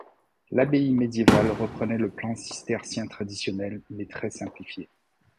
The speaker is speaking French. L'abbaye médiévale reprenait le plan cistercien traditionnel, mais très simplifié.